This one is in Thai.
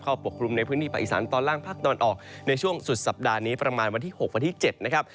ปกคลุมในพื้นที่ภาคอีสานตอนล่างภาคตะวันออกในช่วงสุดสัปดาห์นี้ประมาณวันที่๖วันที่๗นะครับ